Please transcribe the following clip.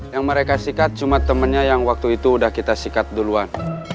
yang mereka sikat cuma temannya yang waktu itu udah kita sikat duluan